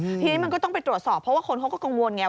นี่มันก็ต้องไปตรวจสอบเพราะว่าคนเค้าก็กังวลอย่างนี้